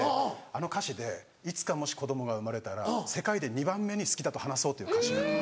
あの歌詞で「いつかもし子供が生まれたら世界で二番目にスキだと話そう」という歌詞が。